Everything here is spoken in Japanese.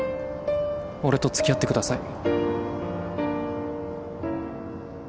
俺とつきあってください